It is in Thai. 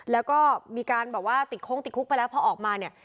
แล้วก็มีการแบบว่าติดโค้งติดคุกไปแล้วพอออกมาเนี่ย